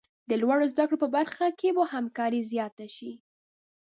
د لوړو زده کړو په برخه کې به همکاري زیاته شي.